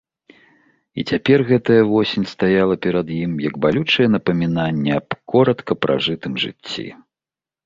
І цяпер гэтая восень стаяла перад ім, як балючае напамінанне аб коратка пражытым жыцці.